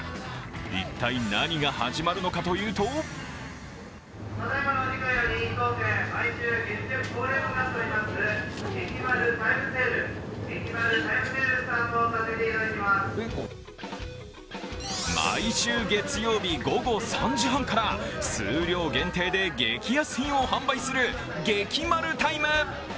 一体、何が始まるのかというと毎週月曜日午後３時半から数量限定で激安品を販売する激マルタイム。